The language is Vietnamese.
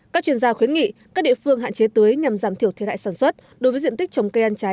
các chuyên gia khuyến nghị các địa phương hạn chế tưới nhằm giảm thiểu thiệt hại sản xuất đối với diện tích trồng cây ăn trái